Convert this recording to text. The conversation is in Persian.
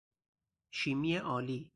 شیمی آلی